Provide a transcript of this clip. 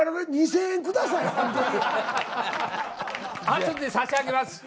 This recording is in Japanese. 後で差し上げます。